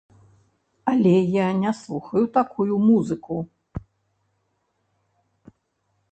Але я не слухаю такую музыку.